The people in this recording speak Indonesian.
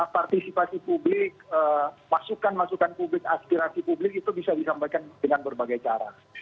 partisipasi publik masukan masukan publik aspirasi publik itu bisa disampaikan dengan berbagai cara